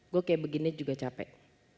gue kayak begini juga capek